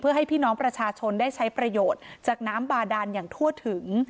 เพื่อให้พี่น้องประชาชนได้ใช้ประโยชน์จากน้ำบาดานอย่างทั่วถึง